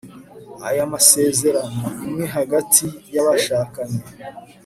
aya masezerano imwe hagati yabashakanye